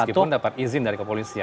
meskipun dapat izin dari kepolisian